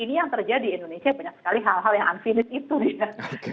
ini yang terjadi indonesia banyak sekali hal hal yang unfinish itu ya